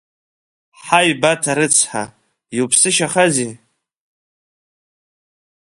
Ҳаи Бата рыцҳа, иуԥсышьахазеи…